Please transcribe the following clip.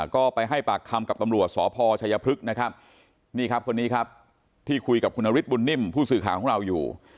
ก็ไปให้ปากคำกับตำรวจสพชัยพฤกษ์นะครับนี่ครับคนนี้ครับที่คุยกับคุณนฤทธบุญนิ่มผู้สื่อข่าวของเราอยู่